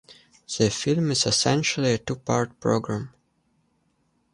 The film is essentially a two-part program.